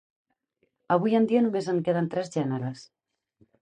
Avui en dia només en queden tres gèneres.